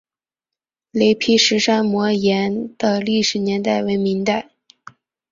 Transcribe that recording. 雷劈石山摩崖的历史年代为明代。